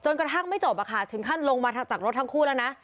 กระทั่งไม่จบถึงขั้นลงมาจากรถทั้งคู่แล้วนะ